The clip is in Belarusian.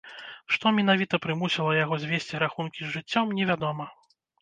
Што менавіта прымусіла яго звесці рахункі з жыццём, невядома.